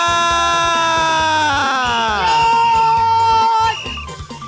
โอ้โฮ